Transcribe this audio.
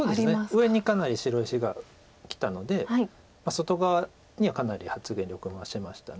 上にかなり白石がきたので外側にはかなり発言力が増しました。